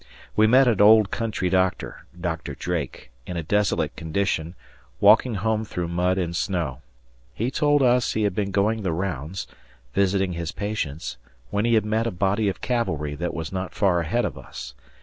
We met an old country doctor, Doctor Drake, in a desolate condition, walking home through mud and snow. He told us he had been going the rounds, visiting his patients, when he had met a body of cavalry that was not far ahead of us.